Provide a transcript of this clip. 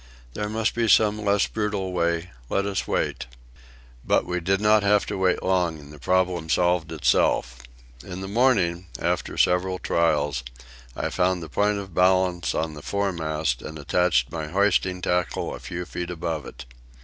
There must be some less brutal way. Let us wait." But we did not have to wait long, and the problem solved itself. In the morning, after several trials, I found the point of balance in the foremast and attached my hoisting tackle a few feet above it.